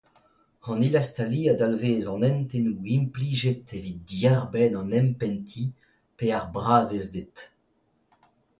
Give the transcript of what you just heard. An hilastaliñ a dalvez an hentennoù implijet evit diarbenn an empentiñ pe ar brazezded.